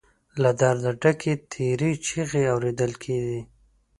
له درده ډکې تېرې چيغې اورېدل کېدې.